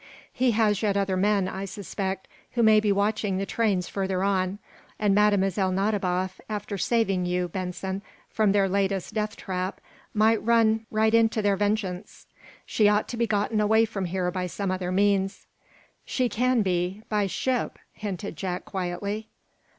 He has yet other men, I suspect, who may be watching the trains further on, and Mlle. Nadiboff, after saving you, Benson, from their latest death trap, might run right into their vengeance. She ought to be gotten away from here by some other means." "She can be by ship," hinted Jack, quietly.